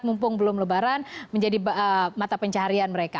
mumpung belum lebaran menjadi mata pencaharian mereka